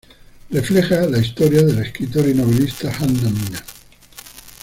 Refleja la historia de la escritora y novelista Hanna Mina.